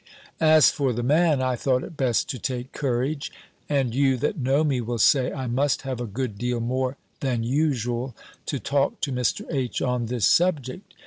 As for the man, I thought it best to take courage (and you, that know me, will say, I must have a good deal more than usual) to talk to Mr. H. on this subject.